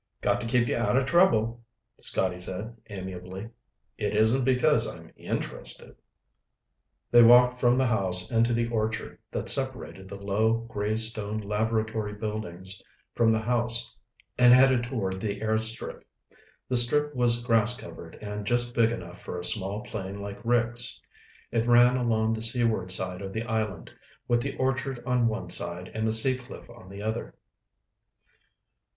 "Got to keep you out of trouble," Scotty said amiably. "It isn't because I'm interested." They walked from the house into the orchard that separated the low, gray stone laboratory buildings from the house and headed toward the air strip. The strip was grass covered and just big enough for a small plane like Rick's. It ran along the seaward side of the island, with the orchard on one side and the sea cliff on the other.